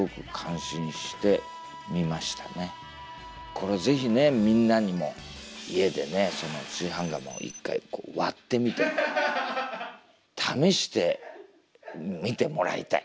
これぜひねみんなにも家で炊飯釜を一回こう割ってみて試してみてもらいたい。